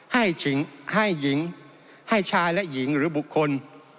ให้หญิงให้ชายและหญิงหรือบุคคล